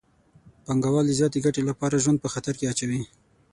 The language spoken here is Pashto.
پانګوال د زیاتې ګټې لپاره ژوند په خطر کې اچوي